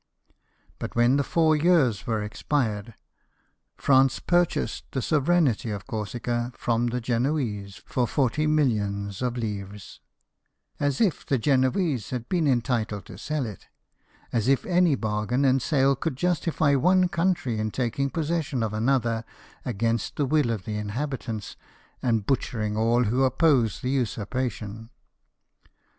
But when the four years were expired, France pur chased the sovereignty of Corsica from the Genoese for forty millions of livres ; as if the Genoese had been entitled to sell it; as if any bargain and sale could justify one country in taking possession of another against the will of the inhabitants, and butchering all who oppose the usurpation